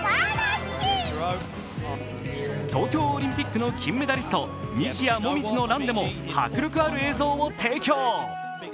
東京オリンピックの金メダリスト・西矢椛のランでも迫力ある映像を提供。